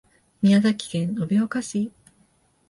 宮崎県延岡市